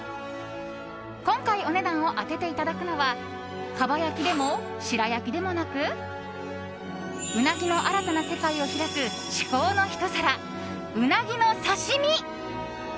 今回、お値段を当てていただくのはかば焼きでも白焼きでもなくうなぎの新たな世界を開く至高のひと皿うなぎの刺身。